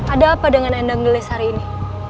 ada apa dengan ndang lies hari ini